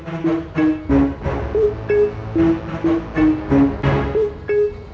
apakah inibiesu berhasil jadi istanaoriented